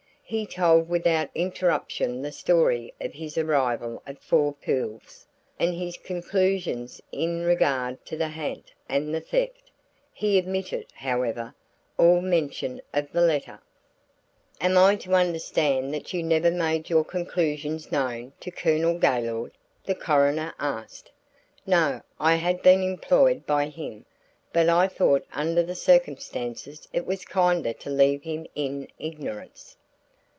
He told without interruption the story of his arrival at Four Pools and his conclusions in regard to the ha'nt and the theft; he omitted, however, all mention of the letter. "Am I to understand that you never made your conclusions known to Colonel Gaylord?" the coroner asked. "No, I had been employed by him, but I thought under the circumstances it was kinder to leave him in ignorance."